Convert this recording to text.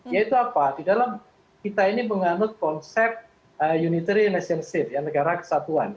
yaitu apa di dalam kita ini mengandung konsep unitary nation state negara kesatuan